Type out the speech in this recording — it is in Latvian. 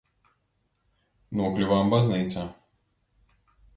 Nokļuvām baznīcā.